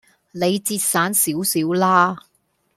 你節省少少啦